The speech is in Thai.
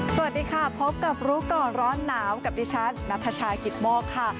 สวัสดีค่ะพบกับรู้ก่อนร้อนหนาวกับดิฉันนัทชายกิตโมกค่ะ